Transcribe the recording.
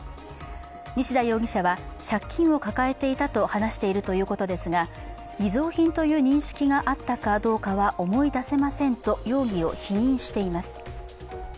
西田容疑者は借金を抱えていたと話しているということですが偽造品という認識があったかどうかは思い出せませんと容疑を否認しています。